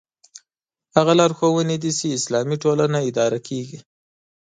هغه لارښوونې دي چې اسلامي ټولنه اداره کېږي.